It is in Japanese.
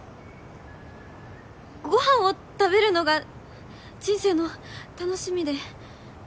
ご飯を食べるのが人生の楽しみで。